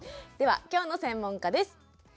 では今日の専門家です。